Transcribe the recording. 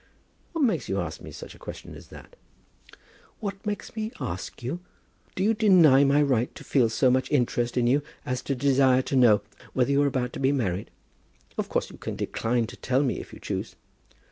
"What makes you ask me such a question as that?" "What makes me ask you? Do you deny my right to feel so much interest in you as to desire to know whether you are about to be married? Of course you can decline to tell me if you choose."